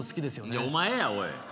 いやお前やおい。